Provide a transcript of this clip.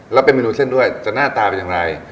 แล้วเป็นเมนูเส้นด้วยจะหน้าตาเป็นอย่างไร